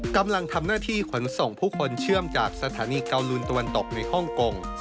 กำลังทำหน้าที่ขนส่งผู้คนเชื่อมจากสถานีเกาลูนตะวันตกในฮ่องกง